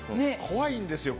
怖いんですよ